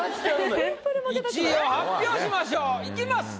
１位を発表しましょう。いきます。